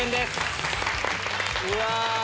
うわ！